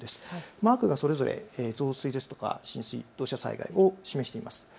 マークはそれぞれ増水、浸水、土砂災害を示しています。